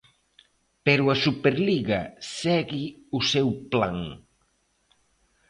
Pero a Superliga segue o seu plan.